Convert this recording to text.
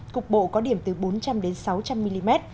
cục bộ có điểm từ bốn trăm linh đến sáu trăm linh mm